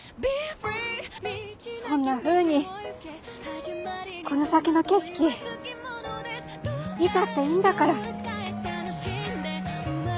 そんなふうにこの先の景色見たっていいんだから。